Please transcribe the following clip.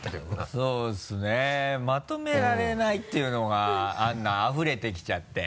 そうですねまとめられないっていうのがあんなあふれてきちゃって。